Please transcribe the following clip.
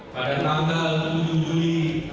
pada tanggal juli dua ribu sembilan belas